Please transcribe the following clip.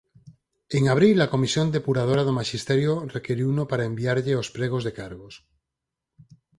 En abril a Comisión Depuradora do Maxisterio requiriuno para enviarlle os pregos de cargos.